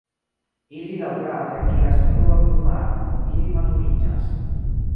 Ili laŭgrade akiras bluan plumaron dum ili maturiĝas.